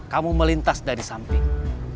kamu melintas dari samping